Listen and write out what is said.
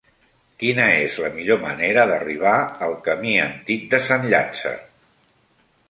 Quina és la millor manera d'arribar al camí Antic de Sant Llàtzer?